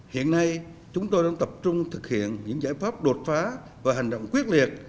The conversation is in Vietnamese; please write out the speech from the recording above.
hiện nay chúng tôi đang tập trung thực hiện những giải pháp đột phá và hành động quyết liệt